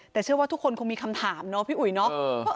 แต่เชื่อว่าทุกคนคงมีคำถามเนาะพี่อุ๋ยเนาะ